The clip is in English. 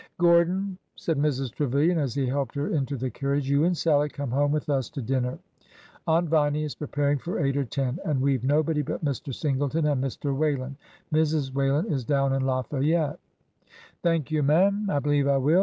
Gordon," said Mrs. Trevilian, as he helped her into the carriage, you and Sallie come home with us to din ner. Aunt Viny is preparing for eight or ten, and we 've nobody but Mr. Singleton and Mr. Whalen. Mrs. Wha len is down in Lafayette." Thank you, m'm. I believe I will.